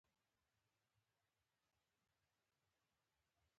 شربت د سنتي خوړو برخه ده